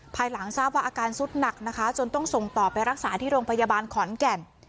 ภายหลังทราบว่าอาการสุดหนักนะคะจนต้องส่งต่อไปรักษาที่โรงพยาบาลขอนแก่น